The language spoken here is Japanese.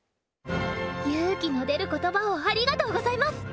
勇気の出る言葉をありがとうございます！